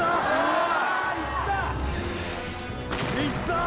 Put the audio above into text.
いった！